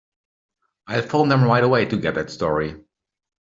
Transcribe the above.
I'll phone them right away to get that story.